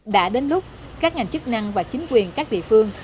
đã đến lúc các ngành chức năng và chính quyền các địa phương